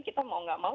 kita mau nggak mau